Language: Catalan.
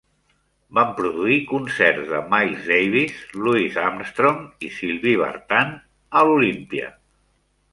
Van produir concerts de Miles Davis, Louis Armstrong i Sylvie Vartan a Olympia.